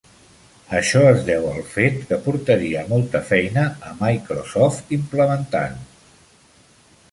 Això es deu al fet que portaria molta feina a Microsoft implementar-ho.